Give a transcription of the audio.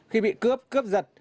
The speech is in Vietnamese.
khi bị cướp cướp giật